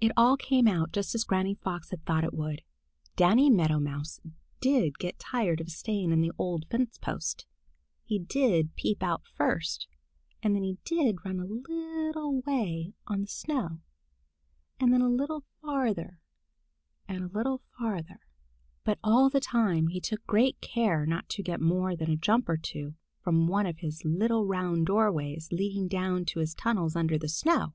It all came out just as Granny Fox had thought it would. Danny Meadow Mouse did get tired of staying in the old fence post. He did peep out first, and then he did run a little way on the snow, and then a little farther and a little farther. But all the time he took great care not to get more than a jump or two from one of his little round doorways leading down to his tunnels under the snow.